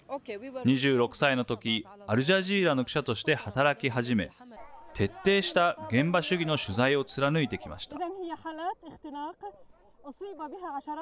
２６歳のとき、アルジャジーラの記者として働き始め、徹底した現場主義の取材を貫いてきました。